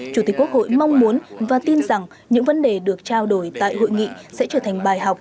chủ tịch quốc hội mong muốn và tin rằng những vấn đề được trao đổi tại hội nghị sẽ trở thành bài học